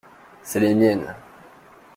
C’est les miennes.